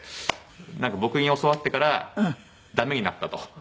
なんか僕に教わってからダメになったと。